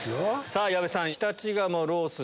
さぁ矢部さん。